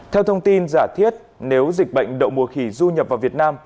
theo thông tin giả thiết nếu dịch bệnh đậu mùa khỉ du nhập vào việt nam